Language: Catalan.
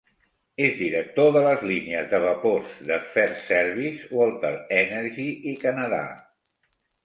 És director de les línies de vapors de FirstService, Walter Energy i Canadà.